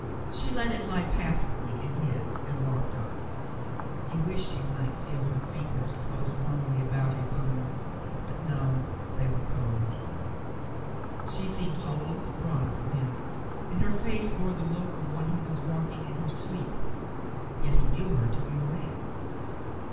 She let it lie passively in his and walked on. He wished he might feel her fingers close warmly about his own, but no, they were cold. She seemed wholly withdrawn from him, and her face bore the look of one w^ho was walking in her sleep, yet he knew her to be awake.